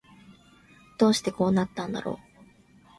どうしてこうなったんだろう